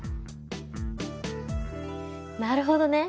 なるほどね。